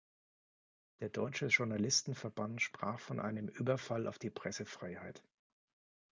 Der Deutsche Journalisten-Verband sprach von einem „Überfall auf die Pressefreiheit“.